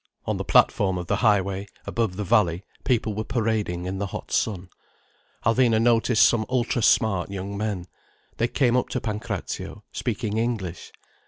On the platform of the high way, above the valley, people were parading in the hot sun. Alvina noticed some ultra smart young men. They came up to Pancrazio, speaking English.